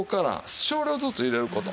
少量ずつ入れること。